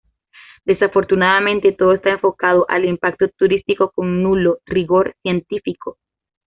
Desafortunadamente todo está enfocado al impacto turístico con nulo rigor científico.